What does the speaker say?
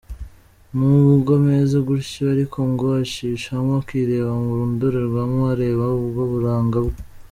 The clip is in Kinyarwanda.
N’ubwo ameze gutya ariko ngo acishamo akireba mu ndorerwamo, areba ubwo buranga bwe.